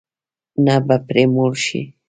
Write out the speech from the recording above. نه به پرې موړ شې.